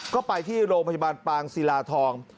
ก็ไปที่โรงพยาบาลปางศิลาทอง